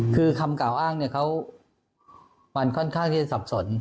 คือคำกล่าวอ้างเนี่ยเขามันค่อนข้างที่จะสับสน